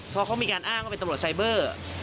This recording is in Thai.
พอเขามีการอ้างว่าเป็นตำรวจไซเบอร์